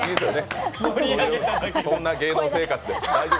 そんな芸能生活です。